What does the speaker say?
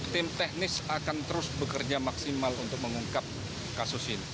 tim teknis akan terus bekerja maksimal untuk mengungkap kasus ini